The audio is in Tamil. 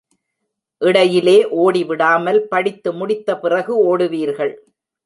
இடையிலே ஓடி விடாமல், படித்து முடித்த பிறகு ஓடுவீர்கள்.